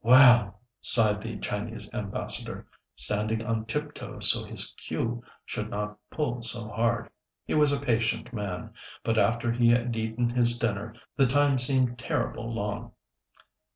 "Well," sighed the Chinese Ambassador, standing on tiptoe so his queue should not pull so hard. He was a patient man, but after he had eaten his dinner the time seemed terrible long.